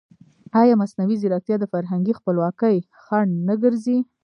ایا مصنوعي ځیرکتیا د فرهنګي خپلواکۍ خنډ نه ګرځي؟